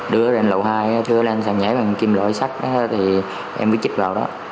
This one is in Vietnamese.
đưa lên lầu hai đưa lên sàn nhảy bằng kim lội sắt thì em cứ chích vào đó